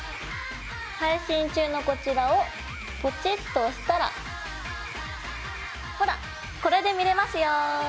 配信中のこちらをポチッと押したらほらっこれで見れますよ！